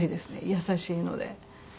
優しいので。